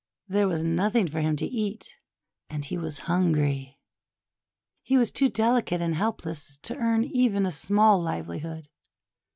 There was nothing for him to eat, and he was hungry. He was too delicate and helpless to earn even a small livelihood.